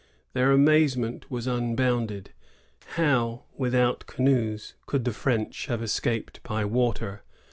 Their amazement was unbounded. How, without canoes, could the French have escaped by water?